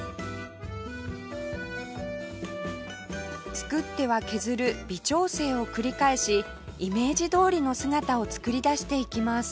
作っては削る微調整を繰り返しイメージどおりの姿を作り出していきます